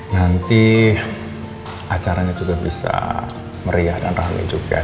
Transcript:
nanti acaranya juga bisa meriah dan rame juga